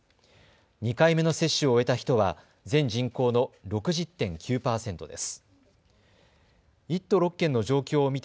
２回目の接種を終えた人は全人口の６０．９％です。